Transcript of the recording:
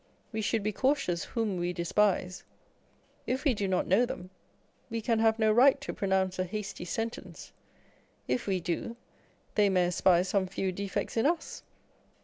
We should be cautious whom we despise. If we do not know them, we can have no right to pronounce a hasty sentence : if we do, they may espy some few defects in us.